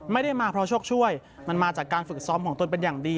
ไม่ได้มาเพราะโชคช่วยมันมาจากการฝึกซ้อมของตนเป็นอย่างดี